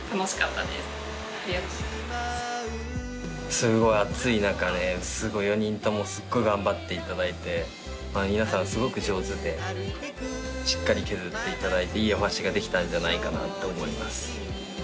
すごい暑い中で４人ともすっごい頑張っていただいて皆さんすごく上手でしっかり削っていただいていいお箸ができたんじゃないかなと思います。